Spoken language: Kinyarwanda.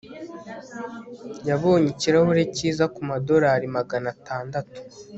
Yabonye ikirahure cyiza kumadorari magana atandatu